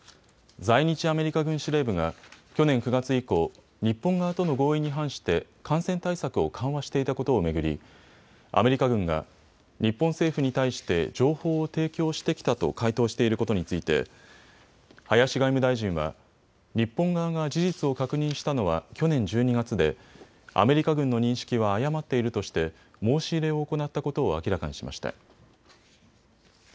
在日アメリカ軍司令部が去年９月以降、日本側との合意に反して感染対策を緩和していたことを巡りアメリカ軍は日本政府に対して情報を提供してきたと回答していることについて林外務大臣は、日本側が事実を確認したのは去年１２月でアメリカ軍の認識は誤っているとして申し入れを行ったことを明らかにしました。